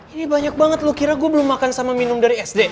ini banyak banget lu kira gue belum makan sama minum dari sd